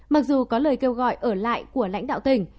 mặc dù có lời kêu gọi ở lại của lãnh đạo tỉnh